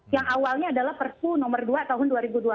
yang awalnya adalah perpu nomor dua tahun dua ribu dua puluh